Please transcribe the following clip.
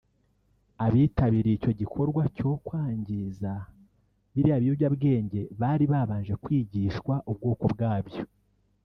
abitabiriye icyo gikorwa cyo kwangiza biriya biyobyabwenge bari babanje kwigishwa ubwoko bwabyo